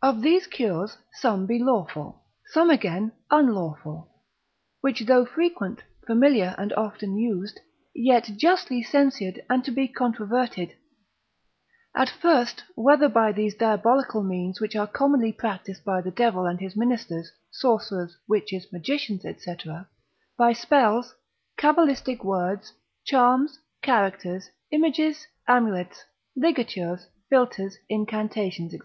Of these cures some be lawful, some again unlawful, which though frequent, familiar, and often used, yet justly censured, and to be controverted. As first, whether by these diabolical means, which are commonly practised by the devil and his ministers, sorcerers, witches, magicians, &c., by spells, cabilistical words, charms, characters, images, amulets, ligatures, philters, incantations, &c.